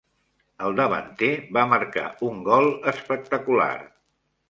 El davanter va marcar un gol espectacular.